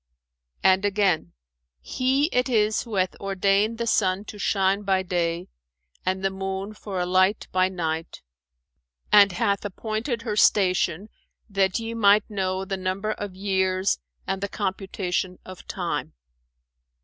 '[FN#415] And again, 'He it is who hath ordained the sun to shine by day, and the moon for a light by night; and hath appointed her station that ye might know the number of years and the computation of time.'